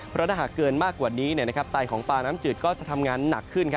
เพราะถ้าหากเกินมากกว่านี้ไตของปลาน้ำจืดก็จะทำงานหนักขึ้น